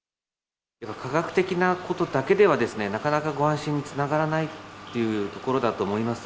科学的なことだけでは、なかなかご安心につながらないっていうところだと思います。